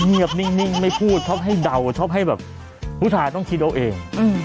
เงียบนิ่งไม่พูดชอบให้เดาชอบให้แบบผู้ชายต้องคิดเอาเอง